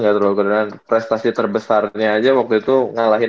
wah sebelas gak terlalu kedengeran prestasi terbesarnya aja waktu itu ngalahin sma dua